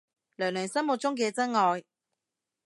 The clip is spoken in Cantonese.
娘娘心目中嘅真愛